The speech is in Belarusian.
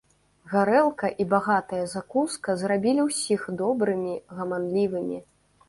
Гарэлка і багатая закуска зрабілі ўсіх добрымі, гаманлівымі.